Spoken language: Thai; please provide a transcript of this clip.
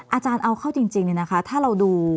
อาจารย์เอาเข้าจริงเลยนะคะถ้าเราดู